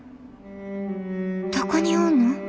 どこにおんの？